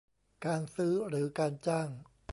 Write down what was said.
การซื้อหรือการจ้าง